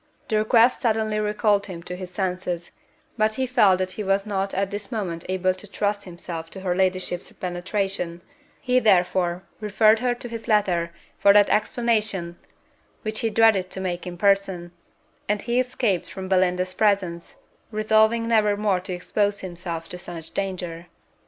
The request suddenly recalled him to his senses, but he felt that he was not at this moment able to trust himself to her ladyship's penetration; he therefore referred her to his letter for that explanation which he dreaded to make in person, and he escaped from Belinda's presence, resolving never more to expose himself to such danger.